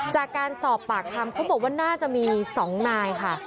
จากการสอบปากคำเขาบอกว่าน่าจะมี๒นายค่ะ